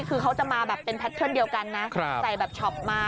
คือเขาจะมาแบบเป็นแพทเทิร์นเดียวกันนะใส่แบบช็อปมา